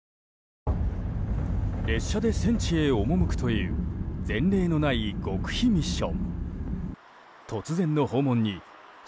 列車で戦地へ赴くという前例のない極秘ミッション。